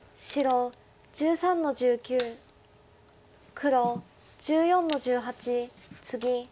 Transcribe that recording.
黒１４の十八ツギ。